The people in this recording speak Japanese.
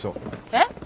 えっ！？